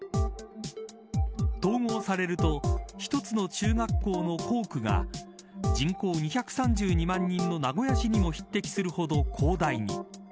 統合されると１つの中学校の校区が人口２３２万人の名古屋市にも匹敵するほど広大に。